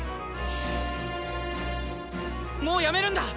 「もうやめるんだ！